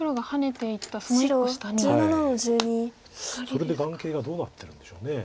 それで眼形がどうなってるんでしょう。